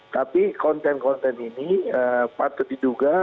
tapi konten konten ini patut diduga